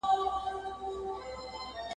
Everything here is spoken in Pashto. له پسونو تر هوسیو تر غوایانو !.